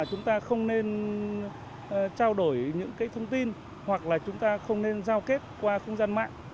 chúng ta không nên trao đổi những thông tin hoặc là chúng ta không nên giao kết qua không gian mạng